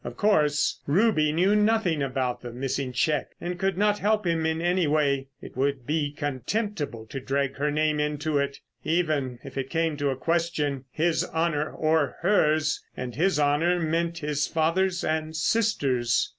Of course, Ruby knew nothing about the missing cheque, and could not help him in any way. It would be contemptible to drag her name into it. Even if it came to a question—his honour or hers. And his honour meant his father's and sister's.